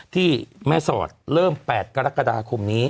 ที่แม่สอดเริ่ม๘กรกฎาคมนี้